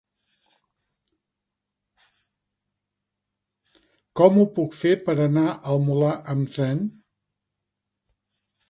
Com ho puc fer per anar al Molar amb tren?